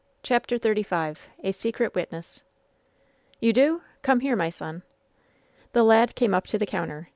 CHAPTER XXXV A SECRET WITNESS "You do ? Come here, my son." The lad came up to the counter.